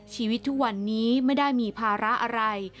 ชีวิตทุกวันนี้ไม่ได้มีภาระอะไร